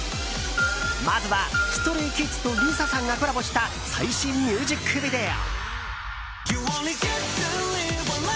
まずはＳｔｒａｙＫｉｄｓとＬｉＳＡさんがコラボした最新ミュージックビデオ。